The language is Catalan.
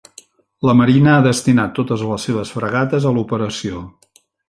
La marina ha destinat totes les seves fragates a l'operació.